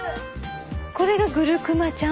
これがグルクマちゃん？